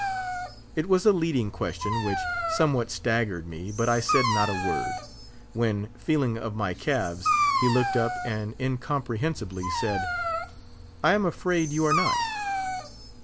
It was a leading question which somewhat staggered me, but I said not a word; when, feeling of my calves, he looked up and incomprehensibly said, "I am afraid you are not."